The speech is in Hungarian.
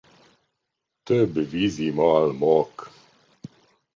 Több vizimalmok.